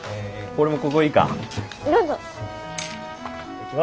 俺もここいいか？